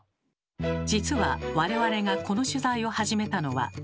実は我々がこの取材を始めたのは１月の下旬。